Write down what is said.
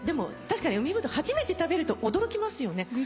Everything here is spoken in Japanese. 確かに海ぶどう初めて食べると驚きますよね。